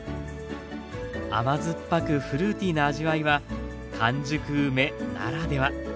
甘酸っぱくフルーティーな味わいは完熟梅ならでは。